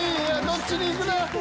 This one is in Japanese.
どっちに行くの？